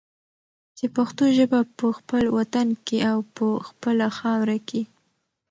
چې پښتو ژبه په خپل وطن کې او په خپله خاوره کې